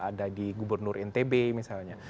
ada di gubernur ntb misalnya